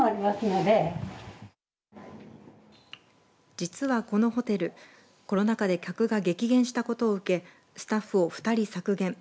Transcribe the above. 実はこのホテルコロナ禍で客が激減したことを受けスタッフを２人削減。